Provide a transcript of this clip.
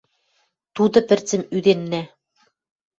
Туты пӹрцӹм ӱденнӓ.